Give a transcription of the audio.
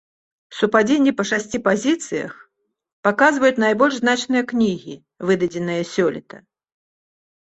Супадзенні па шасці пазіцыях паказваюць найбольш значныя кнігі, выдадзеныя сёлета.